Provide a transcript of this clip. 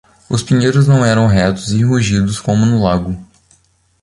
Os pinheiros não eram retos e rugidos, como no lago.